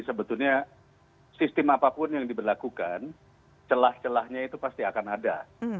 sebetulnya sistem apapun yang diberlakukan celah celahnya itu pasti akan ada